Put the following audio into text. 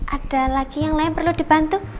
ada lagi yang lain perlu dibantu